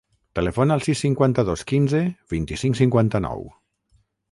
Telefona al sis, cinquanta-dos, quinze, vint-i-cinc, cinquanta-nou.